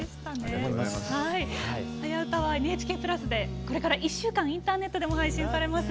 「はやウタ」はＮＨＫプラスでこれから１週間インターネットでも配信されます。